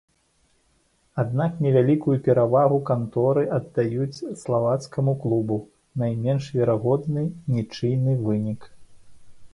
Аднак невялікую перавагу канторы аддаюць славацкаму клубу, найменш верагодны нічыйны вынік.